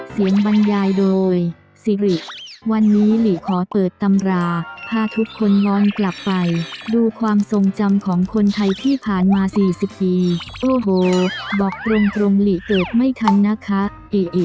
บรรยายโดยสิริวันนี้หลีขอเปิดตำราพาทุกคนย้อนกลับไปดูความทรงจำของคนไทยที่ผ่านมา๔๐ปีโอ้โหบอกตรงหลีเกิดไม่ทันนะคะ